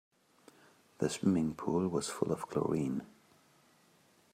The swimming pool was full of chlorine.